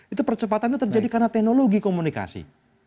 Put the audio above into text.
itu percepatannya terjadi karena teknologi komunikasi